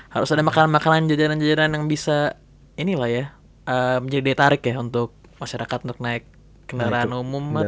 harus ada makanan makanan jajanan jajanan yang bisa ini lah ya menjadi daya tarik ya untuk masyarakat untuk naik kendaraan umum